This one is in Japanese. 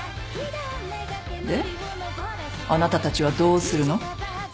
あなたたちはどうするの？